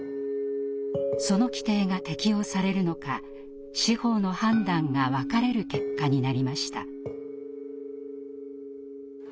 その規定が適用されるのか司法の判断が分かれる結果になりました。